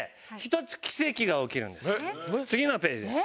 次のページです。